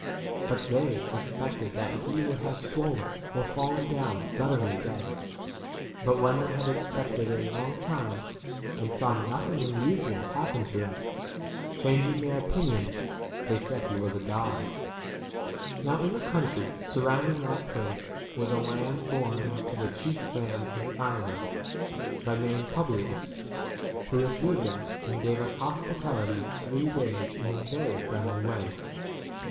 But they expected that he would have swollen or fallen down suddenly dead. But when they had expected a long time and saw nothing unusual happen to him, changing their opinion, they said he was a god. 7 Now in the country surrounding that place were the lands belonging to the chief man c of the island, by name Publius, who received us and gave [us] hospitality three days in 8 a very friendly way.